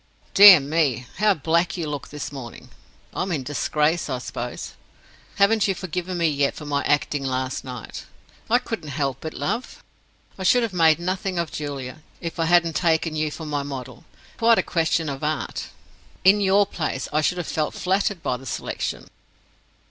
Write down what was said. "Dear me, how black you look this morning! I'm in disgrace, I suppose. Haven't you forgiven me yet for my acting last night? I couldn't help it, love; I should have made nothing of Julia, if I hadn't taken you for my model. It's quite a question of Art. In your place, I should have felt flattered by the selection."